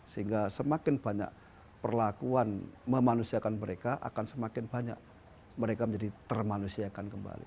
sehingga semakin banyak perlakuan memanusiakan mereka akan semakin banyak mereka menjadi termanusiakan kembali